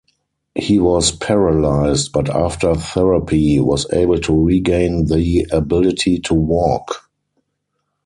He was paralysed, but after therapy was able to regain the ability to walk.